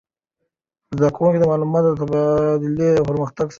زده کړه د معلوماتو د تبادلې او پرمختګ سبب ګرځي.